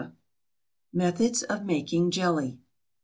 METHODS OF MAKING JELLY.